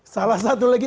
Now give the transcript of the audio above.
salah satu lagi